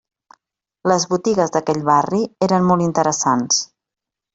Les botigues d'aquell barri eren molt interessants.